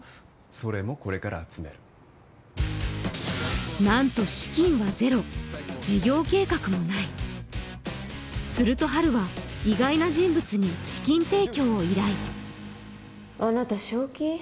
それもこれから集める何と資金はゼロ事業計画もないするとハルは意外な人物に資金提供を依頼あなた正気？